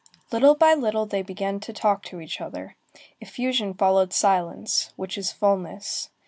Little by little they began to talk to each other. Effusion followed silence, which is fulness.